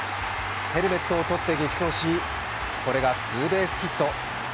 ヘルメットを取って激走し、これがツーベースヒット。